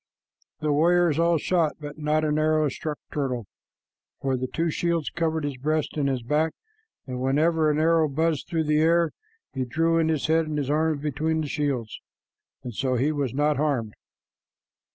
The warriors all shot, but not an arrow struck Turtle, for the two shields covered his breast and his back, and whenever an arrow buzzed through the air, he drew in his head and his arms between the shields, and so he was not harmed.